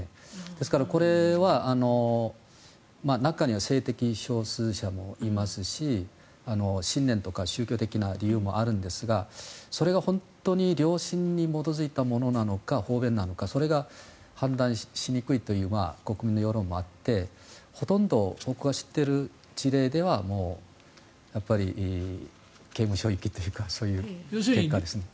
ですから、これは中には性的少数者もいますし信念とか宗教的な理由もあるんですがそれが本当に良心に基づいたものなのか方便なのかそれが判断しにくいという国民の世論もあってほとんど僕が知っている事例では刑務所行きというかそういう結果ですね。